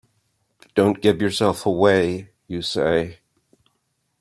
Don’t give yourself away, you say.